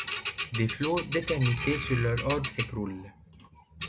Des flots d'éternité sur leurs orbes s'écroulent ;